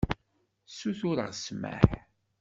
Sutureɣ ssmaḥ.